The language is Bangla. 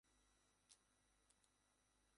আমরা দুর্বল বলিয়াই এত দুঃখভোগ করি।